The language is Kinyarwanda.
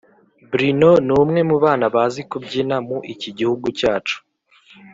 Bruno numwe mubana bazi kubyina mu iki gihugu cyacu